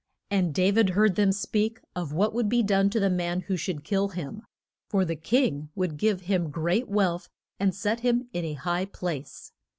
And Da vid heard them speak of what would be done to the man who should kill him; for the king would give him great wealth, and set him in a high place.